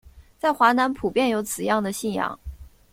在华南普遍有此样的信仰。